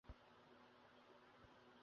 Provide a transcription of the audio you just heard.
কিন্তু, সে হইবার জো নাই।